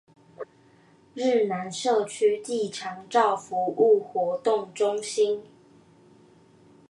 日南社區暨長照服務活動中心